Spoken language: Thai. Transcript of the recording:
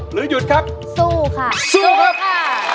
หรือหยุดครับสู้ค่ะสู้ค่ะ